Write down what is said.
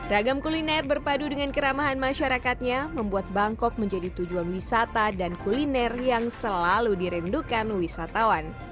ragam kuliner berpadu dengan keramahan masyarakatnya membuat bangkok menjadi tujuan wisata dan kuliner yang selalu dirindukan wisatawan